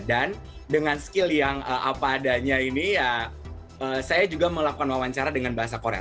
dan dengan skill yang apa adanya ini ya saya juga melakukan wawancara dengan bahasa korea